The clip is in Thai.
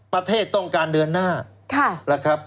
ประเทศต้องการเดือนหน้า